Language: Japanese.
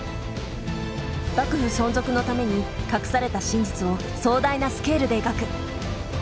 幕府存続のために隠された真実を壮大なスケールで描く。